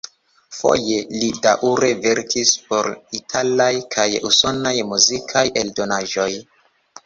Foje li daŭre verkis por italaj kaj usonaj muzikaj eldonaĵoj.